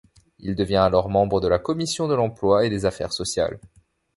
Il devient alors membre de la Commission de l'emploi et des affaires sociales.